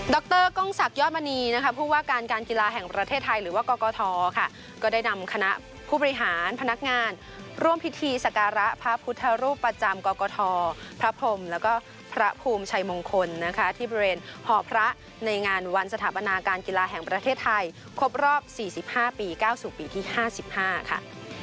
รก้องศักดิยอดมณีนะคะผู้ว่าการการกีฬาแห่งประเทศไทยหรือว่ากกทค่ะก็ได้นำคณะผู้บริหารพนักงานร่วมพิธีสการะพระพุทธรูปประจำกกทพระพรมแล้วก็พระภูมิชัยมงคลนะคะที่บริเวณหอพระในงานวันสถาปนาการกีฬาแห่งประเทศไทยครบรอบ๔๕ปีก้าวสู่ปีที่๕๕ค่ะ